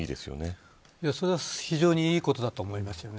非常にいいことだと思います。